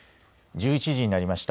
１１時になりました。